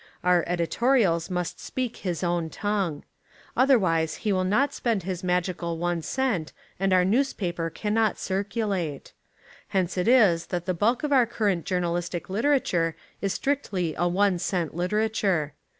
Our editorials must speak his own tongue. Otherwise he will not spend his magical one cent and our newspaper cannot circulate. Hence It is that the bulk of our current journalistic lit erature Is strictly a one cent literature.